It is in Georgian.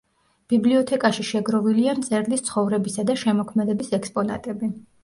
ბიბლიოთეკაში შეგროვილია მწერლის ცხოვრებისა და შემოქმედების ექსპონატები.